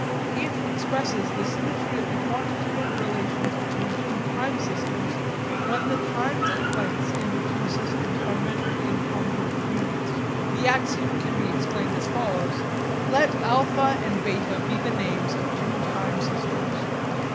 It expresses the symmetry of the quantitative relations between two time systems when the times and lengths in the two systems are measured in congruent units. The axiom can be explained as follows: Let α and β be the names of two time systems.